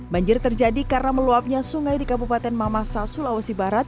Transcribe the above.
banjir terjadi karena meluapnya sungai di kabupaten mamasa sulawesi barat